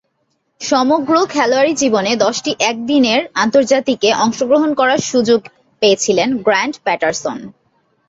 সমগ্র খেলোয়াড়ী জীবনে দশটি একদিনের আন্তর্জাতিকে অংশগ্রহণ করার সুযোগ পেয়েছিলেন গ্র্যান্ট প্যাটারসন।